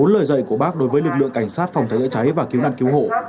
bốn lời dạy của bác đối với lực lượng cảnh sát phòng cháy chữa cháy và cứu nạn cứu hộ